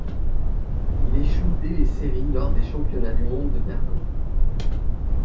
Il échoue dès les séries lors des Championnats du monde de Berlin.